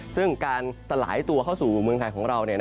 ซึ่งการสลายตัวเข้าสู่เมืองไทยของเรา